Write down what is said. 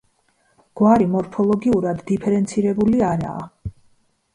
გვარი მორფოლოგიურად დიფერენცირებული არაა.